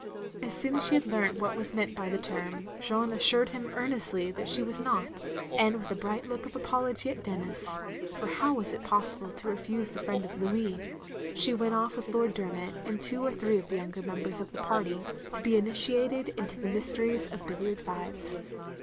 As soon as she had leamt what was meant by the term, Jeanne asstired him earnestly that she was not; and with a bright look of apology at Denis — ^for how was it possible to reftise the friend of Louis — she went off with Lord Dermot, and two or three of the younger members of the party, to be initiated into the mysteries of bil liard fives.